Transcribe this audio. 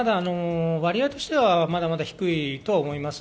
割合としてはまだ低いと思います。